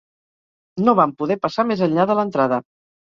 No vam poder passar més enllà de l'entrada.